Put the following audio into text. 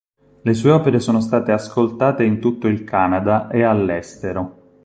Le sue opere sono state ascoltate in tutto il Canada e all'estero.